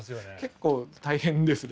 結構大変ですね。